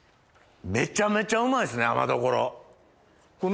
めちゃめちゃうまいっすねアマドコロ。